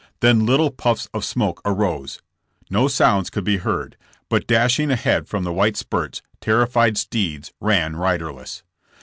Then little puffs of smoke arose. No sounds could be heard, but dashing ahead from the white spurts terrified steeds ran riderless.